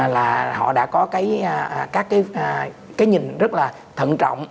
là họ đã có cái nhìn rất là thận trọng